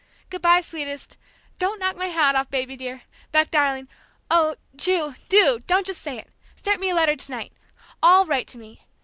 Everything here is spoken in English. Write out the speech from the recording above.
"Good bye, sweetest don't knock my hat off, baby dear! Beck, darling Oh, Ju, do! don't just say it start me a letter to night! ALL write to me!